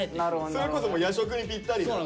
それこそ夜食にぴったりな。